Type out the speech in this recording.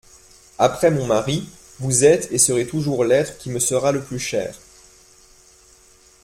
Après mon mari, vous êtes et serez toujours l'être qui me sera le plus cher.